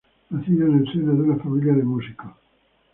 Nacido en el seno de una familia de músicos.